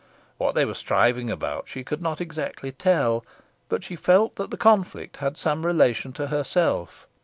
What they were striving about she could not exactly tell, but she felt that the conflict had some relation to herself.